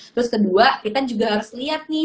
terus kedua kita juga harus lihat nih